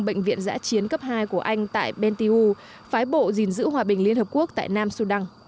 bệnh viện giã chiến cấp hai của anh tại bentiu phái bộ gìn giữ hòa bình liên hợp quốc tại nam sudan